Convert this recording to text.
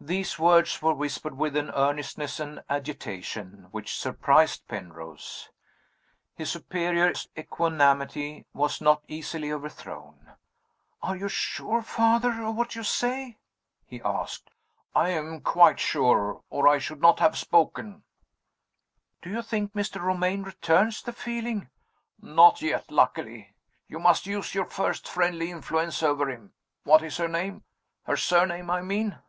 These words were whispered with an earnestness and agitation which surprised Penrose. His superior's equanimity was not easily overthrown. "Are you sure, Father, of what you say?" he asked. "I am quite sure or I should not have spoken." "Do you think Mr. Romayne returns the feeling?" "Not yet, luckily. You must use your first friendly influence over him what is her name? Her surname, I mean."